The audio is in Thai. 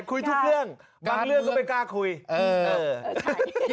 คุยทุกเรื่องบางเรื่องก็ไม่กล้าคุยเออ